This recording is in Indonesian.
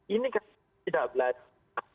ini kita tidak belajar